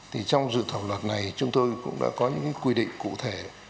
thì trong dự thảo luật này chúng tôi cũng đã có những quy định cụ thể